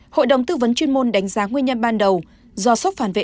hội đồng tư vấn chuyên môn đánh giá nguyên nhân ban đầu do sốc phản vệ